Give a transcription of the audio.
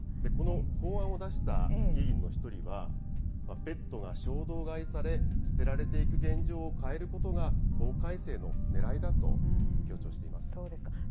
この法案を出した議員の一人は、ペットが衝動買いされ、捨てられていく現状を変えることが、法改正のねらいだと強調していまそうですか。